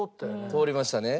通りましたね。